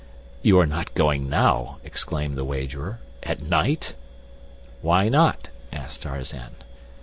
"You are not going now," exclaimed the wagerer—"at night?" "Why not?" asked Tarzan.